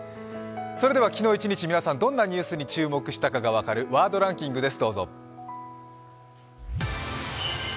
昨日一日皆さんどんなニュースに注目したかが分かる「ワードデイリーランキング」です。